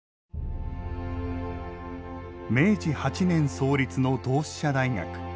明治８年創立の同志社大学。